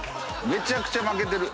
めちゃくちゃ負けてる。